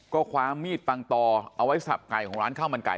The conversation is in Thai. ก็คว้ามีดปังตอเอาไว้สับไก่ของร้านข้าวมันไก่